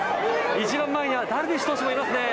一番前にはダルビッシュ投手もいますね。